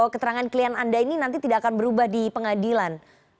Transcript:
keterangan klien anda ini nanti tidak akan berubah di pengadilan